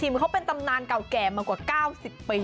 เหมือนเขาเป็นตำนานเก่ามากว่า๙๐ปี